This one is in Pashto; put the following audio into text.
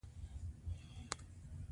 او له آریون ډلو سره خاصه اړه لري.